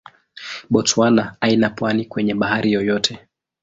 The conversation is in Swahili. Botswana haina pwani kwenye bahari yoyote.